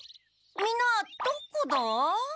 みんなどこだ？